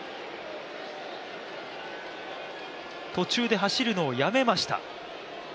途中で走るのをやめました。